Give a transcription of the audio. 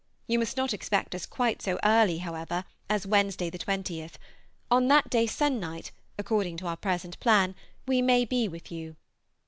You must not expect us quite so early, however, as Wednesday, the 20th, on that day se'nnight, according to our present plan, we may be with you.